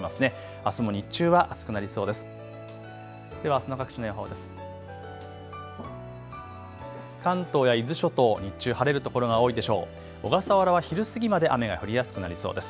あすも日中は暑くなりそうです。